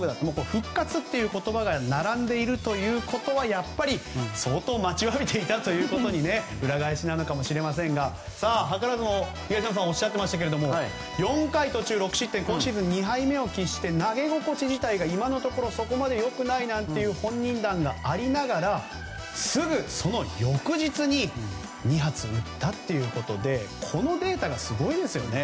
復活という言葉が並んでいるということは、相当待ちわびていたということの裏返しなのかもしれませんが図らずも東山さんがおっしゃってましたが４回途中６失点今シーズン２敗目を決して投げ心地自体が今のところそこまでよくないという本人談がありながらすぐその翌日に２発、打ったということでこのデータがすごいですよね。